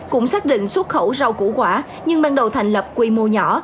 cũng xác định xuất khẩu rau củ quả nhưng ban đầu thành lập quy mô nhỏ